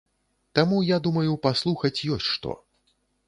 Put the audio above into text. Таму я думаю, паслухаць ёсць што.